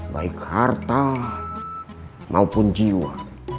baik harta maupun jiwa